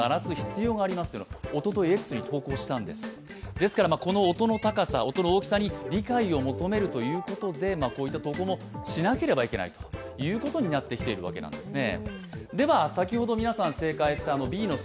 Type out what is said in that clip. ですからこの音の高さ、音の大きさに理解を求めるということで、こういった投稿もしなければいけないということになってきているわけなんですね。